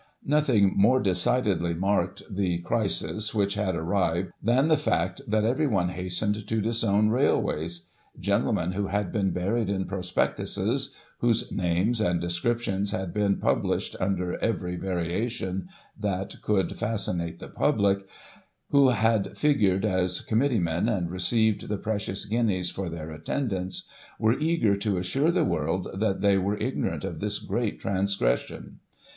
"Nothing more decidedly marked the crisis which had arrived, than the fact that everyone hastened to disown rail ways. Gentlemen who had been buried in prospectuses, whose names and descriptions had been published under every variation that could fascinate the public, who had figured as Committeemen, and received the precious guineas for their attendance, were eager to assure the world that they were ignorant of this great transgression.